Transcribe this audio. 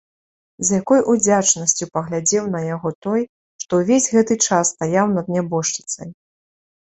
З якой удзячнасцю паглядзеў на яго той, што ўвесь гэты час стаяў над нябожчыцай!